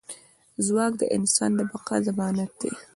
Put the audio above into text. ځواک د انسان د بقا ضمانت دی.